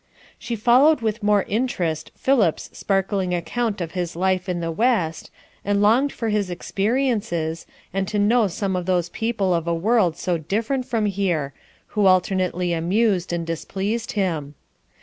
She followed with more interest Philip's sparkling account of his life in the west, and longed for his experiences, and to know some of those people of a world so different from here, who alternately amused and displeased him.